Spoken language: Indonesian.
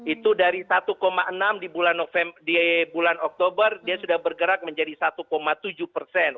itu dari satu enam di bulan oktober dia sudah bergerak menjadi satu tujuh persen